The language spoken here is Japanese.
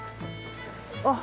あっ！